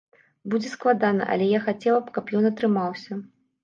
Будзе складана, але я хацела б, каб ён атрымаўся.